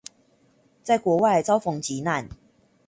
在國外遭逢急難